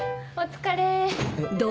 お疲れ。